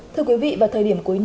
thưa quý vị vào thời điểm cuối cùng